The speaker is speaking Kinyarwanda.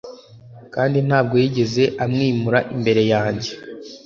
Kandi ntabwo yigeze amwimura imbere yanjye